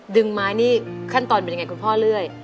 ดึงไม้นี่ขั้นตอนเป็นยังไงคุณพ่อเลื่อย